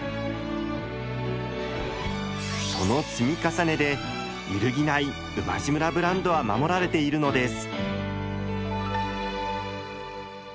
その積み重ねで揺るぎない馬路村ブランドは守られているのです。